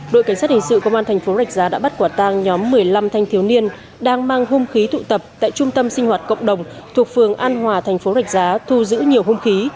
đội cảnh sát hình sự công an thành phố rạch giá đã bắt quả tang nhóm một mươi năm thanh thiếu niên đang mang hung khí tụ tập tại trung tâm sinh hoạt cộng đồng thuộc phường an hòa thành phố rạch giá thu giữ nhiều hung khí